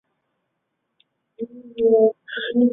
乾隆十四年上任台湾澎湖通判。